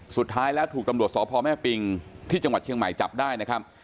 สุดท้ายแล้วถูกตำรวจสพแม่ปิงที่จังหวัดเชียงใหม่จับได้นะครับ